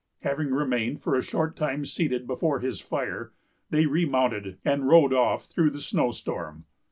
Having remained for a short time seated before his fire, they remounted and rode off through the snowstorm.